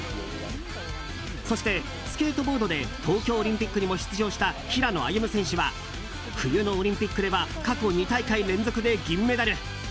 そして、スケートボードで東京オリンピックにも出場した平野歩夢選手は冬のオリンピックでは過去２大会連続で銀メダル。